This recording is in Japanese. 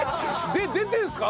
出てるんすか？